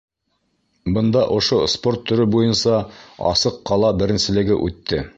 Бында ошо спорт төрө буйынса асыҡ ҡала беренселеге үтте.